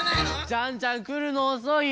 ジャンジャンくるのおそいよ。